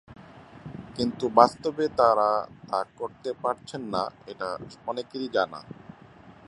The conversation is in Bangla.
কিন্তু বাস্তবে তাঁরা তা করতে পারছেন না, এটা অনেকেরই জানা।